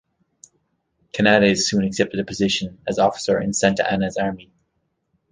Canales soon accepted a position as officer in Santa Anna's army.